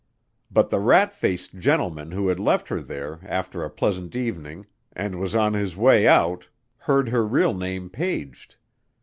But the rat faced gentleman who had left her there after a pleasant evening and was on his way out heard her real name paged.